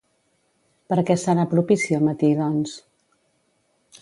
Per a què serà propici el matí, doncs?